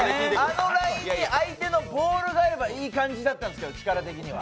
あのラインに相手のボールがあったらいい感じだったんですけど、力的には。